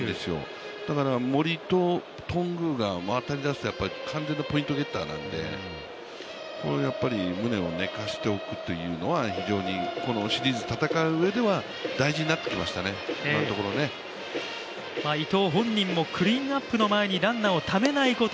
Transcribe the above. だから森と頓宮が当たりだすと完全なポイントゲッターなので、宗を寝かせておくというのは非常にこのシリーズ戦う上では大事になってきましたね、今のところはね伊藤本人もクリーンアップの前にランナーをためないこと。